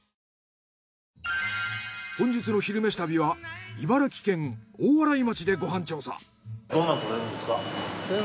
本日の「昼めし旅」は茨城県大洗町でご飯調査。